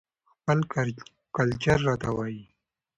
خپل کلچر راته وايى